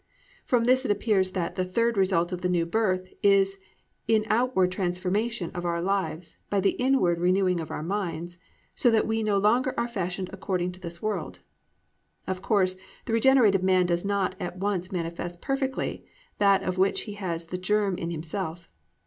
"+ From this it appears that _the third result of the New Birth is in outward transformation of our lives by the inward renewing of our minds so that we no longer are fashioned according to this world_. Of course the regenerated man does not at once manifest perfectly that of which he has the germ in himself.